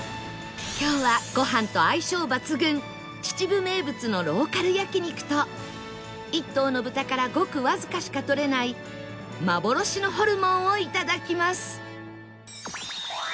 今日はご飯と相性抜群秩父名物のローカル焼肉と１頭の豚からごくわずかしか取れない幻のホルモンをいただきます